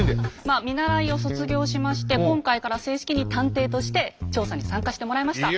まあ見習いを卒業しまして今回から正式に探偵として調査に参加してもらいました。